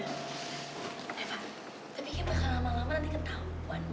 eva tapi kayaknya bakal lama lama nanti ketahuan kewas